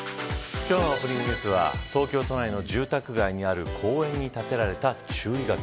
今日のオープニングニュースは東京都内の住宅街にある公園に建てられた注意書き。